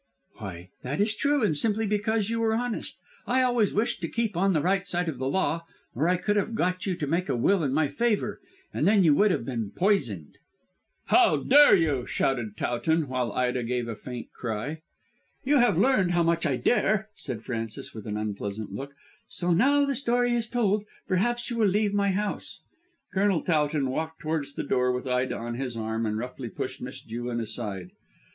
"Why, that is true, and simply because you were honest. I always wished to keep on the right side of the law, or I could have got you to make a will in my favour, and then you would have been poisoned." "How dare you?" shouted Towton, while Ida gave a faint cry. "You have learned how much I dare," said Frances with an unpleasant look. "So, now the story is told, perhaps you will leave my house." Colonel Towton walked towards the door with Ida on his arm and roughly pushed Miss Jewin aside.